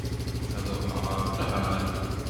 Ad ruḥeɣ ɣer Tahran.